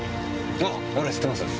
ああ俺知ってます。